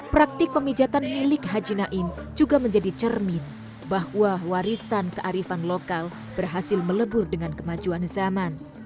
praktik pemijatan milik haji naim juga menjadi cermin bahwa warisan kearifan lokal berhasil melebur dengan kemajuan zaman